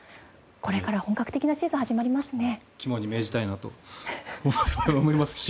これから本格的なシーズンが始まりますね。